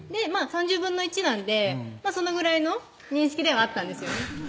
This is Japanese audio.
３０分の１なんでそのぐらいの認識ではあったんですよね